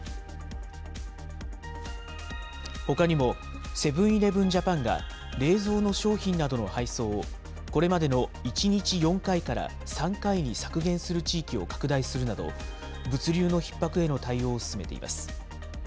ほかにもセブン−イレブン・ジャパンが、冷蔵の商品などの配送を、これまでの１日４回から３回に削減する地域を拡大するなど、物流のひっ迫への対応を進めています。